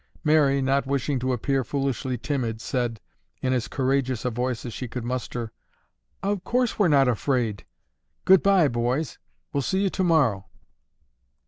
Mary, not wishing to appear foolishly timid, said, in as courageous a voice as she could muster, "Of course we're not afraid. Goodbye, boys, we'll see you tomorrow."